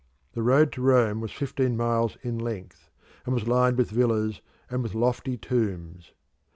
The road to Rome was fifteen miles in length, and was lined with villas and with lofty tombs.